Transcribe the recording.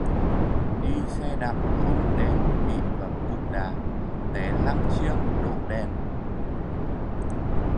Đi xe đạp không đèn bị vấp cục đá, té lăng chiêng đổ đèn